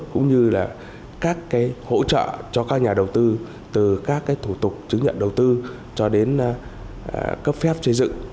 cũng như là các cái hỗ trợ cho các nhà đầu tư từ các thủ tục chứng nhận đầu tư cho đến cấp phép xây dựng